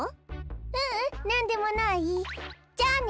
ううんなんでもないじゃあね。